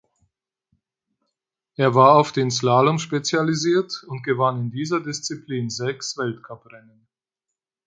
Er war auf den Slalom spezialisiert und gewann in dieser Disziplin sechs Weltcuprennen.